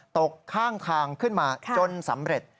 ตกข้างทางขึ้นมาจนสำเร็จ